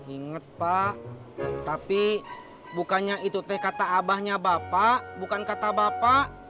ingat pak tapi bukannya itu teh kata abahnya bapak bukan kata bapak